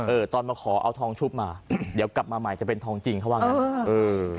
เออตอนมาขอเอาทองชุบมาเดี๋ยวกลับมาใหม่จะเป็นทองจริงเข้ามานึง